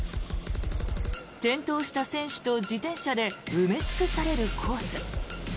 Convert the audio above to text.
転倒した選手と自転車で埋め尽くされるコース。